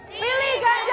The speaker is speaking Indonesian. yang benar pilih ganjar